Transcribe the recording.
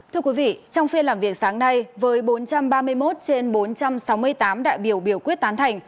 thưa quý vị trong phiên làm việc sáng nay với bốn trăm ba mươi một trên bốn trăm sáu mươi tám đại biểu biểu quyết tán thành